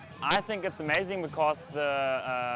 saya pikir ini luar biasa karena